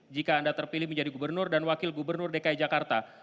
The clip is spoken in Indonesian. jika anda terpilih menjadi gubernur dan wakil gubernur dki jakarta